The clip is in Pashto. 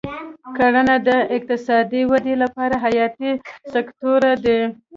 کرنه د اقتصادي ودې لپاره حیاتي سکتور دی.